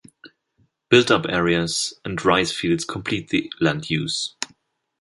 Built up areas and rice fields complete the land use.